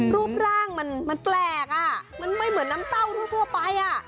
รูปร่างมันแปลกอ่ะมันไม่เหมือนน้ำเต้าทั่วไป